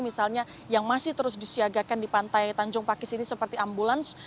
misalnya yang masih terus disiagakan di pantai tanjung pakis ini seperti ambulans